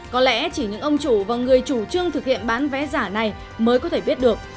có lẽ chỉ những ông chủ và người chủ trương thực hiện bán vé giả này mới có thể biết được